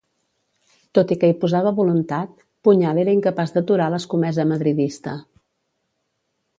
Tot i que hi posava voluntat, Puñal era incapaç d'aturar l'escomesa madridista.